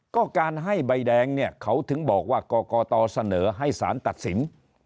ก็การให้ใบแดงเนี่ยเขาถึงบอกว่ากรกตเสนอให้สารตัดสิน